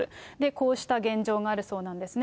こうした現状があるそうなんですね。